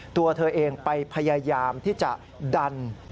ตัวเธอเองไปพยายามที่จะดัน